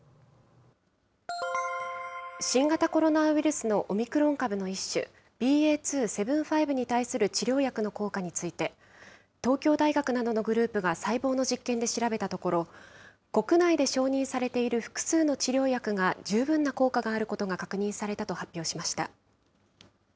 新型コロナウイルスのオミクロン株の一種、ＢＡ．２．７５に対する治療薬の効果について、東京大学などのグループが細胞の実験で調べたところ、国内で承認されている複数の治療薬が十分な効果があることが確認されたと発表しました。